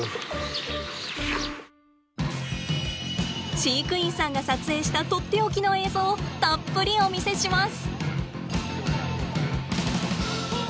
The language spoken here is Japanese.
飼育員さんが撮影したとっておきの映像をたっぷりお見せします！